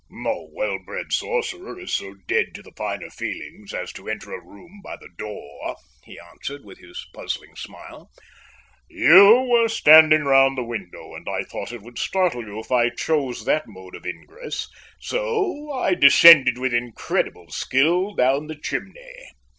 "No well bred sorcerer is so dead to the finer feelings as to enter a room by the door," he answered, with his puzzling smile. "You were standing round the window, and I thought it would startle you if I chose that mode of ingress, so I descended with incredible skill down the chimney."